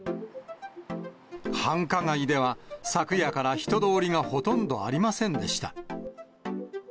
繁華街では、昨夜から人通りがほとんどありませんでした。